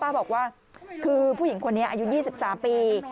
บอกว่าคือผู้หญิงคนนี้อายุ๒๓ปี